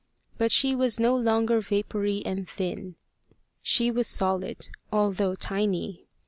But she was no longer vapoury and thin. She was solid, although tiny.